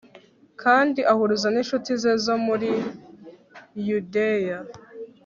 kandi ahuruza n'incuti ze zo muri yudeya